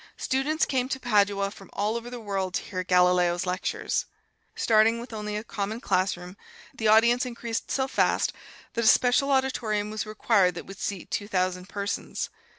Students came to Padua from all over the world to hear Galileo's lectures. Starting with only a common classroom, the audience increased so fast that a special auditorium was required that would seat two thousand persons.